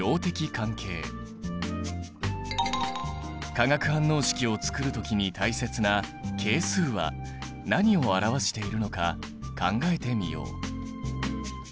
化学反応式をつくる時に大切な係数は何を表しているのか考えてみよう。